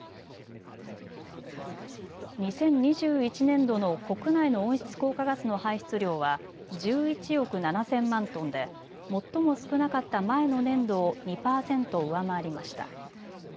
２０２１年度の国内の温室効果ガスの排出量は１１億７０００万トンで最も少なかった前の年度を２％上回りました。